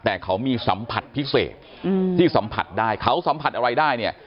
แต่เขามีสัมผัสพิเศษที่สัมผัสได้เขาสัมผัสอะไรได้เนี่ย